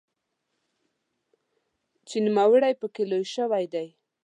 چې نوموړی پکې لوی شوی دی.